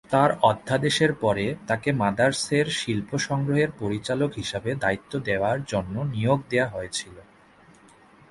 তাঁর অধ্যাদেশের পরে, তাকে মাদার সের শিল্প সংগ্রহের পরিচালক হিসাবে দায়িত্ব দেওয়ার জন্য নিয়োগ দেওয়া হয়েছিল।